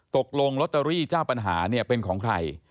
ตกลงลอตเตอรี่เจ้าปัญหาเนี่ยเป็นของใคร